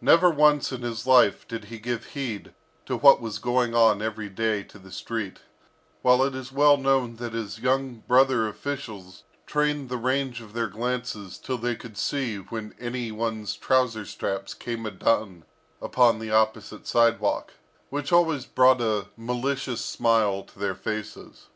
Never once in his life did he give heed to what was going on every day to the street; while it is well known that his young brother officials trained the range of their glances till they could see when any one's trouser straps came undone upon the opposite sidewalk, which always brought a malicious smile to their faces.